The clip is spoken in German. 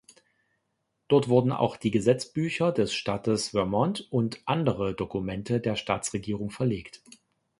Dort wurden auch die Gesetzbücher des Staates Vermont und andere Dokumente der Staatsregierung verlegt.